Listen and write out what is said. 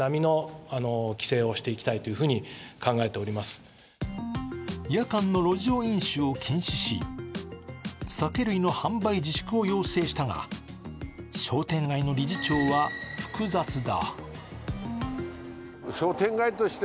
今年の対策を渋谷区長は夜間の路上飲酒を禁止し酒類の販売自粛を要請したが商店街の理事長は複雑だ。